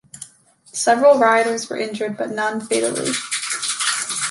Several rioters were injured, but none fatally.